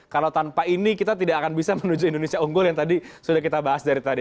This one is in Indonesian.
kalau tanpa ini kita tidak akan bisa menuju indonesia unggul yang tadi sudah kita bahas dari tadi